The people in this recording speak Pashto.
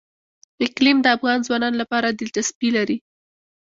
اقلیم د افغان ځوانانو لپاره دلچسپي لري.